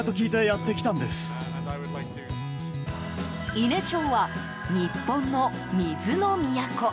伊根町は、日本の水の都。